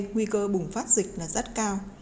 nguy cơ bùng phát dịch rất cao